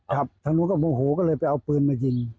ทางนู้นก็โมโหก็เลยไปเอาปืนมายิง